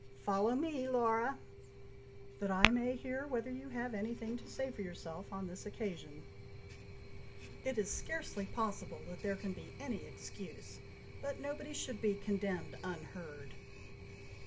"Follow me, Laura," said Lady Harriet, "that I may hear whether you have anything to say for yourself on this occasion. It is scarcely possible that there can be any excuse, but nobody should be condemned unheard."